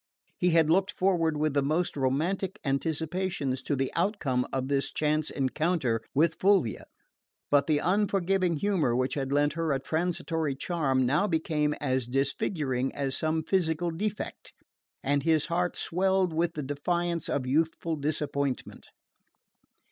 He had looked forward with the most romantic anticipations to the outcome of this chance encounter with Fulvia; but the unforgiving humour which had lent her a transitory charm now became as disfiguring as some physical defect; and his heart swelled with the defiance of youthful disappointment.